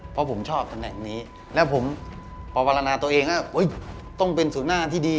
เพราะผมชอบตำแหน่งนี้และผมประวัลนาตัวเองต้องเป็นสูตรหน้าที่ดี